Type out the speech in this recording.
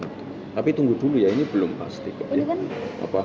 tapi tunggu dulu ya ini belum pasti